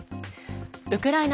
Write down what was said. ウクライナ